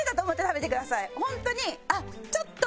ホントにちょっと。